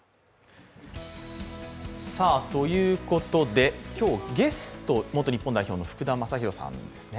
ということで、今日、ゲスト、元日本代表の福田正博さんですね。